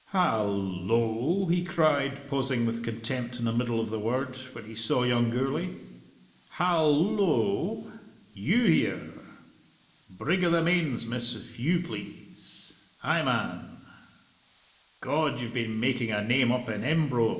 "Hal lo!" he cried, pausing with contempt in the middle of the word, when he saw young Gourlay. "Hal lo! You here! Brig o' the Mains, miss, if you please. Ay, man! God, you've been making a name up in Embro.